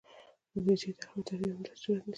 د بودیجې طرحه او ترتیب همداسې صورت نیسي.